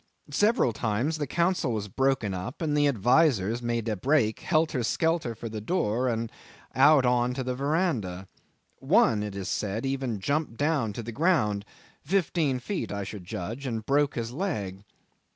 Several times the council was broken up, and the advisers made a break helter skelter for the door and out on to the verandah. One it is said even jumped down to the ground fifteen feet, I should judge and broke his leg.